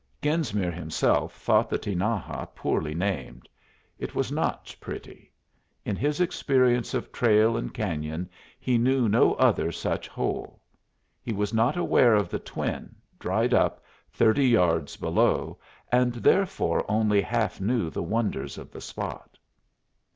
Genesmere himself thought the Tinaja poorly named. It was not pretty. In his experience of trail and cañon he knew no other such hole. He was not aware of the twin, dried up, thirty yards below, and therefore only half knew the wonders of the spot.